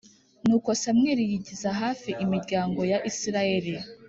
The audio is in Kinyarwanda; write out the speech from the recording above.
Nuko samweli yigiza hafi imiryango ya isirayeli